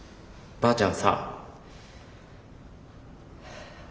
ばあちゃん